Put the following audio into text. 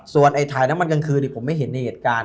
ส่วนไอ้ถ่ายน้ำมันกลางคืนผมไม่เห็นในเหตุการณ์